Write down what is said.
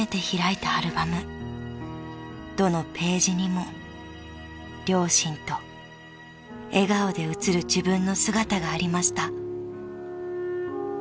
［どのページにも両親と笑顔で写る自分の姿がありました］